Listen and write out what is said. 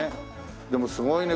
でもすごいね。